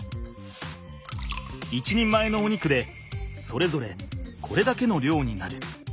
１人前のお肉でそれぞれこれだけの量になる！